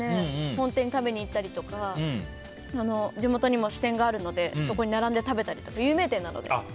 本店に食べに行ったりとか地元にも支店があるので並んで食べたりとか。